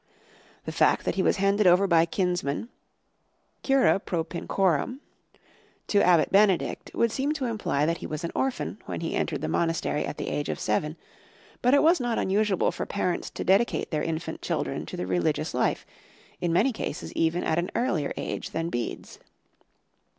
The fact that he was handed over by kinsmen ("cura propinquorum") to Abbot Benedict would seem to imply that he was an orphan when he entered the monastery at the age of seven, but it was not unusual for parents to dedicate their infant children to the religious life, in many cases even at an earlier age than Bede's.